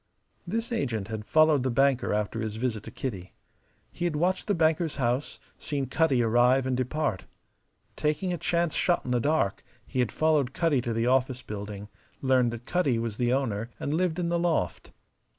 This agent had followed the banker after his visit to Kitty. He had watched the banker's house, seen Cutty arrive and depart. Taking a chance shot in the dark, he had followed Cutty to the office building, learned that Cutty was the owner and lived in the loft.